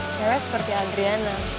cewek seperti adriana